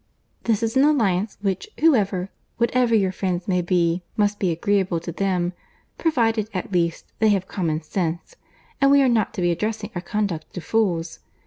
"This is an alliance which, whoever—whatever your friends may be, must be agreeable to them, provided at least they have common sense; and we are not to be addressing our conduct to fools.